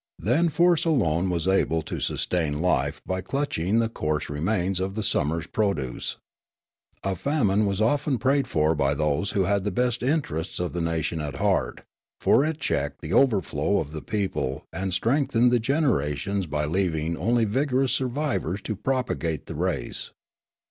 Then force alone was able to sustain life by clutching the coarse remains of the summer's produce. A famine was often prayed for by those who had the best interests of the nation at heart, for it checked the overflow of the people and strengthened the generations by leaving only vigorous survivors to propagate the race.